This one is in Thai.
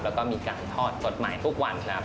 แล้วก็มีการทอดสดใหม่ทุกวันครับ